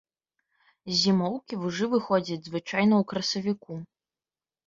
З зімоўкі вужы выходзяць звычайна ў красавіку.